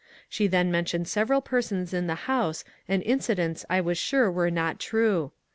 She then mentioned several persons in the house and incidents I was sure were not true.